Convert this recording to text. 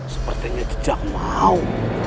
sepertinya jejak mau